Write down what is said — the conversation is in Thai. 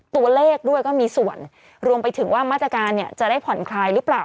ตัวเลขด้วยก็มีส่วนรวมไปถึงว่ามาตรการเนี่ยจะได้ผ่อนคลายหรือเปล่า